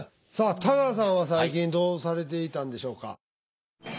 さあ田川さんは最近どうされていたんでしょうか？